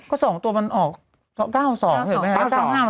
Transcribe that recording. ก็๒ตัวมันออก๙๒เหรอไหมฮะ